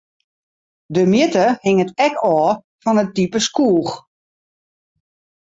De mjitte hinget ek ôf fan it type skoech.